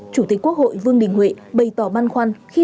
chủ tịch quốc hội vương đình huệ bày tỏ băn khoăn khi